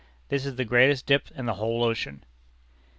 This is the greatest dip in the whole ocean."